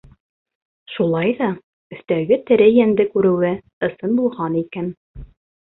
Шулай ҙа өҫтәге тере йәнде күреүе ысын булған икән.